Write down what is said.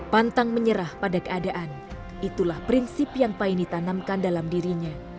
pantang menyerah pada keadaan itulah prinsip yang paine tanamkan dalam dirinya